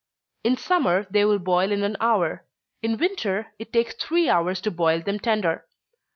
In summer, they will boil in an hour in winter, it takes three hours to boil them tender.